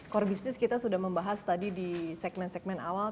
core business kita sudah membahas tadi di segmen segmen awal